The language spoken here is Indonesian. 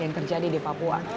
yang terjadi di papua